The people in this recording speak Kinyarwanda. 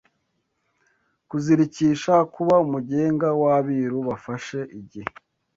Kuzirikisha Kuba umugenga w’Abiru bafashe igihe